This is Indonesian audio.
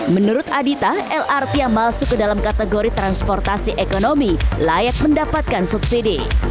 menurut adita lrt yang masuk ke dalam kategori transportasi ekonomi layak mendapatkan subsidi